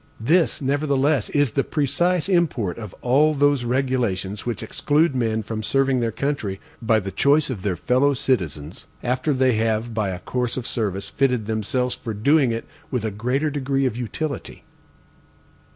This, nevertheless, is the precise import of all those regulations which exclude men from serving their country, by the choice of their fellowcitizens, after they have by a course of service fitted themselves for doing it with a greater degree of utility.